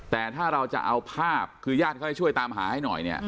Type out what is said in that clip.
แต่ถ้าเราจะเอาภาพคือญาติเขาให้ช่วยตามหาให้หน่อยเนี่ย